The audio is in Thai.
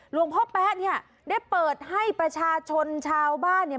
หลวงพ่อแป๊ะเนี่ยได้เปิดให้ประชาชนชาวบ้านเนี่ย